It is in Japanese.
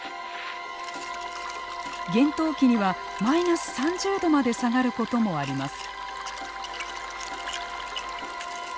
厳冬期にはマイナス３０度まで下がることもあります。